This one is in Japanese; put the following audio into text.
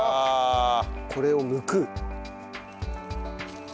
これをむく。